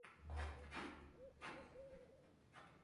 Inicialmente son muy pocos, pero la tendencia será imparable.